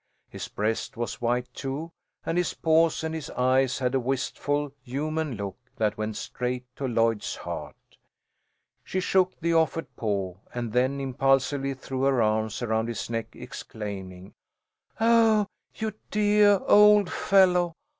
His breast was white, too, and his paws, and his eyes had a wistful, human look that went straight to Lloyd's heart. She shook the offered paw, and then impulsively threw her arms around his neck, exclaiming, "Oh, you deah old fellow!